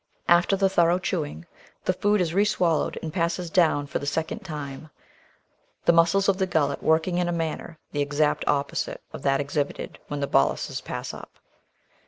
After the thorough chewing, the food is re swal lowed and passes* down for the second time; the muscles of the gullet working in a manner the exact opposite of that exhibited when the boluses pass up.